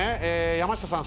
山下さん